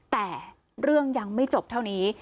แต่เรื่องยังไม่จบเท่านี้